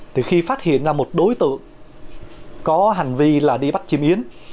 thì khi phát hiện ra một đối tượng có hành vi là đi bắt chim yến